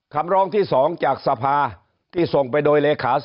คำร้องที่๒จากสภาที่ส่งไปโดยเลขา